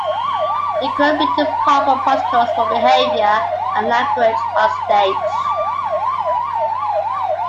Decorum fitted proper protocols for behavior and language on stage.